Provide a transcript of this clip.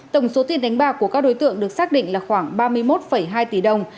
tổng số tiền đánh bạc của các đối tượng được xác định là khoảng ba mươi một hai tỷ đồng